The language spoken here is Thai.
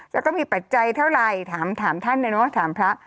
แล้วก็มีปัจจัยเท่าไหร่ถามท่านเลยเนอะถามพระ